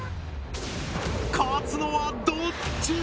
勝つのはどっちだ